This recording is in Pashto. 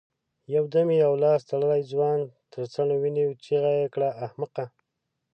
يودم يې يو لاس تړلی ځوان تر څڼو ونيو، چيغه يې کړه! احمقه!